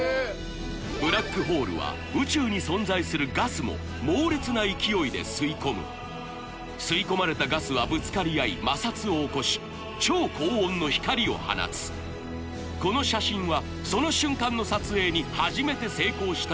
ブラックホールは宇宙に存在するガスも猛烈な勢いで吸い込む吸い込まれたガスはぶつかり合い摩擦を起こし超高温の光を放つこの写真はその瞬間の撮影に初めて成功した